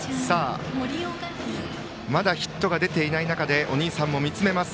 まだヒットが出ていない中でお兄さんも見つめます。